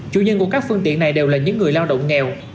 chủ nhân của các phương tiện này đều là những người lao động nghèo